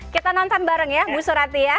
kita nonton bareng ya bu surati ya